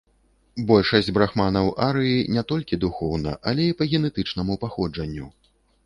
Большасць брахманаў арыі не толькі духоўна, але і па генетычнаму паходжанню.